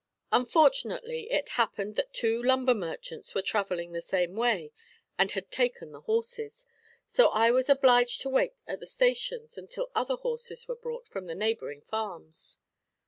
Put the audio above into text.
Unfortunately it happened that two lumber merchants were travelling the same way, and had taken the horses; so I was obliged to wait at the stations until other horses were brought from the neighbouring farms.